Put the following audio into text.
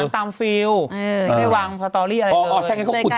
ตามฟีลเออให้วางสตอรี่อะไรเลยอ๋ออ๋อใช่ไงเขาขุดอยู่แล้ว